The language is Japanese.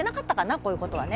こういうことはね。